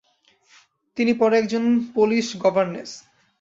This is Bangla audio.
তিনি পরে একজন পোলিশ গভারনেস